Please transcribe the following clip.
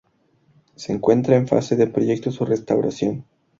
Se encuentra en fase de proyecto su restauración.